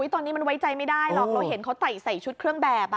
ตอนนี้มันไว้ใจไม่ได้หรอกเราเห็นเขาใส่ชุดเครื่องแบบ